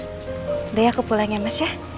udah ya aku pulangin mas ya